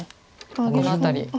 この辺り。